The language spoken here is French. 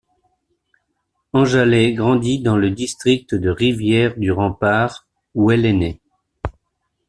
Anjalay grandit dans le district de Rivière du Rempart où elle est née.